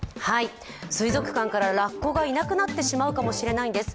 水族館からラッコがいなくなってしまうかもしれないんです。